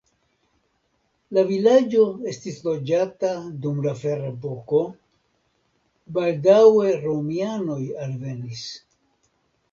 La vilaĝo estis loĝata dum la ferepoko, baldaŭe romianoj alvenis.